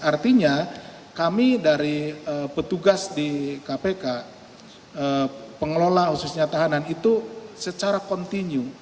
artinya kami dari petugas di kpk pengelola khususnya tahanan itu secara kontinu